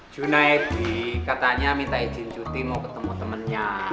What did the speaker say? juna edy katanya minta izin cuti mau ketemu temennya